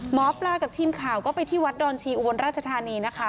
หมอปลากับทีมข่าวก็ไปที่วัดดอนชีอุบลราชธานีนะคะ